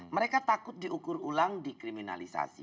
mereka takut diukur ulang dikriminalisasi